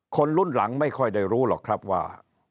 คนรุ่นหลังไม่ค่อยได้รู้หรอกครับว่า